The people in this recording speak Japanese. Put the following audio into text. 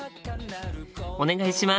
お願いします！